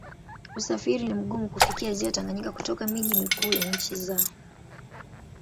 Usafiri ni mgumu kufikia Ziwa Tanganyika kutoka miji mikuu ya nchi zao.